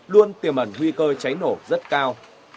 luôn tiềm ẩn nguy cơ cháy nổ rất cao